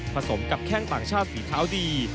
สมกับแข้งต่างชาติฝีเท้าดี